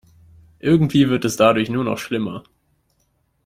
Irgendwie wird es dadurch nur noch schlimmer.